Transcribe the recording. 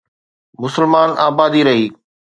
مسلمان آبادي رهي.